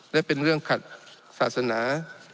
และเป็นเรื่องขัดศาสนา